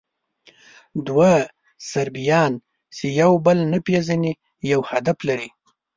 دوه صربیان، چې یو بل نه پېژني، یو هدف لري.